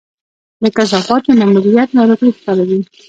د کثافاتو نه مدیریت ناروغي خپروي.